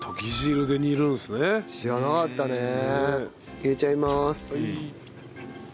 入れちゃいます。